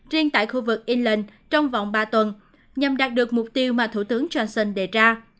riêng tại khu vực england trong vòng ba tuần nhằm đạt được mục tiêu mà thủ tướng johnson đề ra